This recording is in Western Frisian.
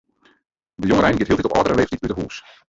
De jongerein giet op hieltyd âldere leeftiid út 'e hús.